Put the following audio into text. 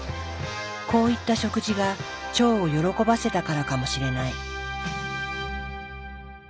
こういった食事が腸を喜ばせたからかもしれない。